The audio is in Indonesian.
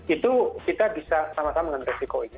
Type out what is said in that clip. itu kita bisa sama sama dengan resiko ini